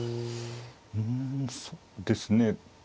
うんそうですね